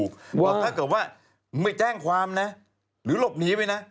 บอกถ้าเกิดว่าไม่แจ้งความนะหรือหลบหนีไปนะ